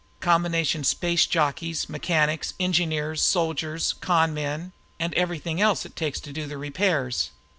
Combination space jockeys, mechanics, engineers, soldiers, con men and anything else it takes to do the repairs.